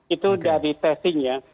itu dari testingnya